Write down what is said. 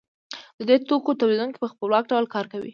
د توکو تولیدونکی په خپلواک ډول کار کوي